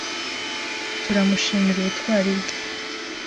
Turamushimira ubutwari bwe.